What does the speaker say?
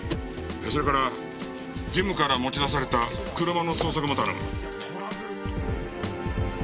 それからジムから持ち出された車の捜索も頼む。